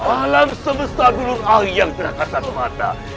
alam semesta bulur ahli yang tidak rasa pemata